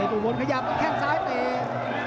เยดุบนขยับแข้งซ้ายเตะ